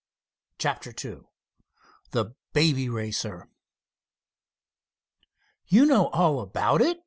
CHAPTER II The "BABY RACER" "You know all about it?"